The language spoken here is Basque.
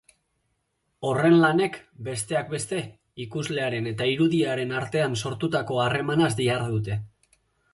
Horren lanek, besteak beste, ikuslearen eta irudiaren artean sortutako harremanaz dihardute.